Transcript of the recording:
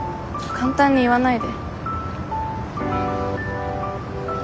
簡単に言わないで。